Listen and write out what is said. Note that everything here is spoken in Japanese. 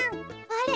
あれ？